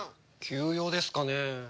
急用ですかね？